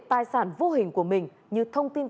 tài sản vô hình của mình như thông tin